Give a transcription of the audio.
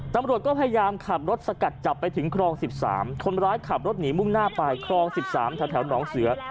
ตำรวจก็พยายามขับรถสกัดจับไปถึงครอง๑๓คนร้ายขับรถหนีมุ่งหน้าไปครอง๑๓แถวหนองเสือ